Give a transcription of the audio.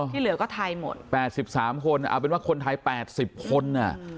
ที่เหลือก็ไทยหมดแปดสิบสามคนเอาเป็นว่าคนไทยแปดสิบคนอ่ะ